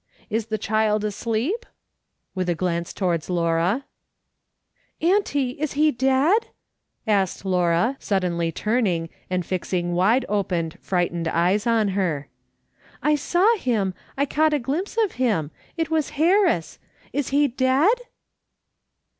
Is the child asleep?" with a glance towards Laura. 232 M/CS. SOLOMON SMITH LOOKING ON. " Auntie, is he dead ?" asked Laura, suddenly turn ing and fixing wide open, frightened eyes on her. " I saw him, I caught a glimpse of him, it was Harris. Is he dead